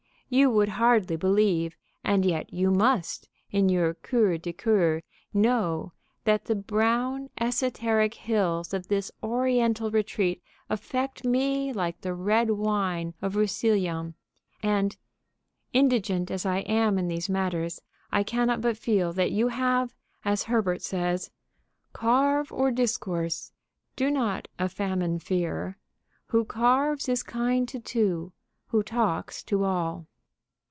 You would hardly believe, and yet you must, in your cœur des cœurs, know, that the brown, esoteric hills of this Oriental retreat affect me like the red wine of Russilon, and, indigent as I am in these matters, I cannot but feel that you have, as Herbert says: "Carve or discourse; do not a famine fear. _Who carves is kind to two, who talks to all."